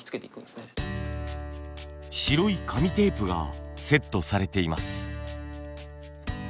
白い紙テープがセットされています。